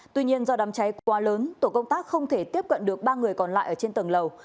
tuy nhiên do đám cháy quá lớn tổ công tác không thể tiếp cận được ba người còn lại ở trên tầng lầu